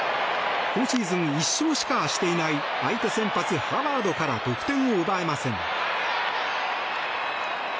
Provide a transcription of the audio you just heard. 今シーズン１勝しかしていない相手先発、ハワードから得点を奪えません。